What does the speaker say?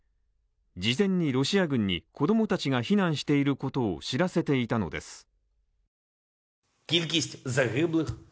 事前にロシア軍に子供たちが避難していることを知らせていたのです。